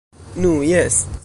Nu jes.